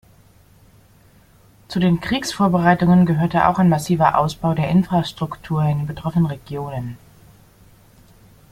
Zu den Kriegsvorbereitungen gehörte auch ein massiver Ausbau der Infrastruktur in den betroffenen Regionen.